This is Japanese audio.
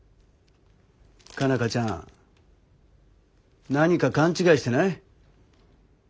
佳奈花ちゃん何か勘違いしてない？